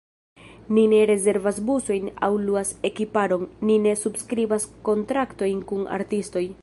Ni ne rezervas busojn aŭ luas ekiparon, ni ne subskribas kontraktojn kun artistoj.